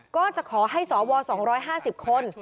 ก็จะขอให้สว๒๕๐คน